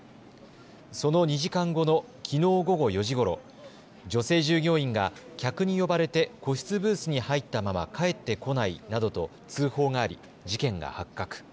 その２時間後のきのう午後４時ごろ、女性従業員が客に呼ばれて個室ブースに入ったまま帰ってこないなどと通報があり事件が発覚。